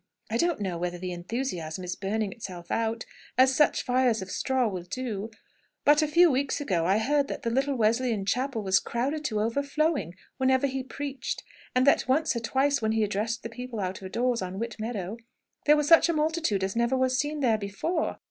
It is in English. I don't know whether the enthusiasm is burning itself out, as such fires of straw will do, but a few weeks ago I heard that the little Wesleyan chapel was crowded to overflowing whenever he preached; and that once or twice, when he addressed the people out of doors on Whit Meadow, there was such a multitude as never was seen there before.